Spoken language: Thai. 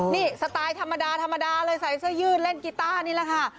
นี่สไตล์ธรรมดาเลยใส่เสื้อยืนเล่นกิตาร์นี่แหละค่ะ